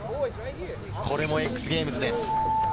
これもＸＧａｍｅｓです。